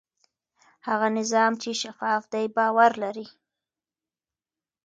هغه نظام چې شفاف دی باور لري.